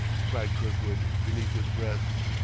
cried Kirkwood, beneath his breath.